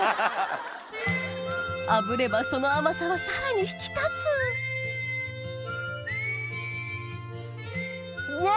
炙ればその甘さはさらに引き立つうわ！